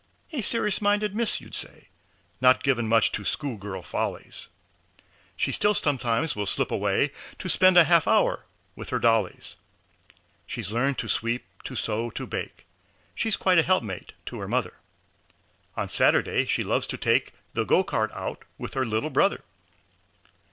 A serious minded miss, you'd say, Not given much to school girl follies. She still sometimes will slip away To spend a half hour with her dollies. She's learned to sweep, to sew, to bake She's quite a helpmate to her mother. On Saturday she loves to take The go cart out with little brother.